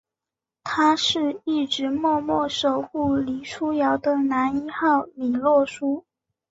他是一直默默守护黎初遥的男一号李洛书！